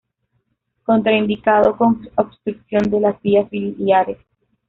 Contraindicado con obstrucción de las vías biliares.